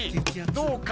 どうか？